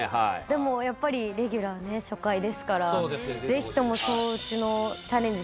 でもやっぱりレギュラーね初回ですからぜひとも双打のチャレンジ